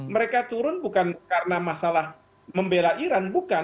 mereka turun bukan karena masalah membela iran bukan